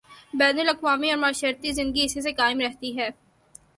بین الاقوامی اورمعاشرتی زندگی اسی سے قائم رہتی ہے۔